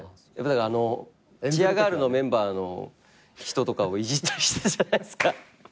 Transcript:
あのチアガールのメンバーの人とかをいじったりしたじゃないっすか。